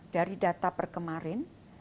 dari data per kemarin